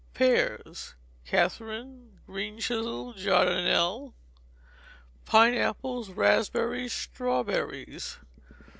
Pears: Catherine, green chisel, jargonelle. Pineapples, raspberries, strawberries.